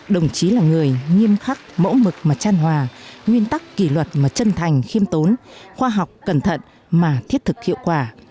đồng chí là người nghiêm khắc mẫu mực mà tran hòa nguyên tắc kỷ luật mà chân thành khiêm tốn khoa học cẩn thận mà thiết thực hiệu quả